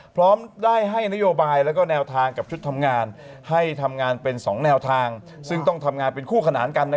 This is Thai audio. พร้อมให้ได้ยอบายและแนวทางกับชุดทำงาน